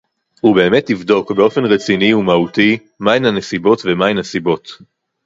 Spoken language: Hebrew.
ובאמת תבדוק באופן רציני ומהותי מהן הנסיבות ומהן הסיבות